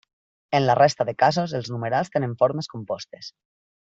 En la resta de casos els numerals tenen formes compostes.